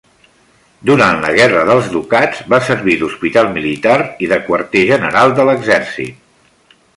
Durant la Guerra dels Ducats va servir d'hospital militar i de quarter general de l'exèrcit.